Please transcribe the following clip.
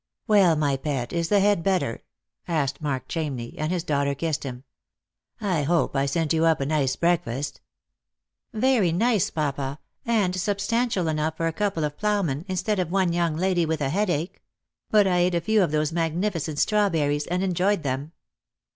"Well, my pet, is the head better? " asked Mark Chamney, as his daughter kissed him. " I hope I sent you up a nice breakfast." " Very nice, papa, and substantial enough for a couple of ploughmen, instead of one young lady with a headache. But I ate a few of those magnificent strawberries, and enjoyed them."